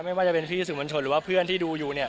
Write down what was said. ไม่ว่าจะเป็นพี่สุภรณชนหรือว่าเพื่อนที่ดูอยู่